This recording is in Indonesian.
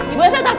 ibu elsa tenang